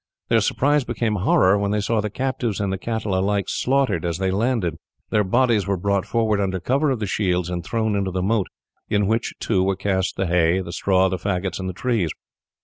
Their surprise became horror when they saw the captives and the cattle alike slaughtered as they landed. Their bodies were brought forward under cover of the shields and thrown into the moat, in which, too, were cast the hay, straw, faggots, and trees.